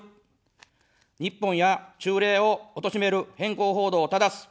日本や忠霊をおとしめる偏向報道をただす。